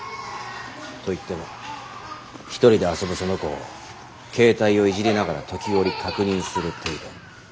といっても一人で遊ぶその子を携帯をいじりながら時折確認する程度。